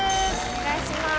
お願いします